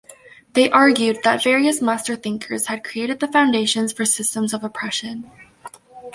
They argued that various "Master Thinkers" had created the foundations for systems of oppression.